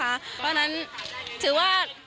เพราะฉะนั้นถือว่าเซ็ตอัพระบบดีนะคะ